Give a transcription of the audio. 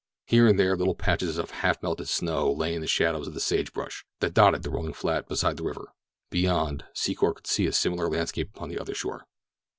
Here and there little patches of half melted snow lay in the shadows of the sage brush that dotted the rolling flat beside the river. Beyond, Secor could see a similar landscape upon the other shore.